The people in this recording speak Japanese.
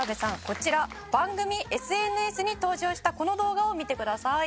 こちら番組ＳＮＳに登場したこの動画を見てください」